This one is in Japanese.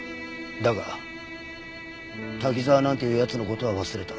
だが滝沢なんていう奴の事は忘れた。